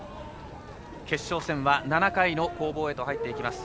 決勝戦は７回の攻防へと入っていきます。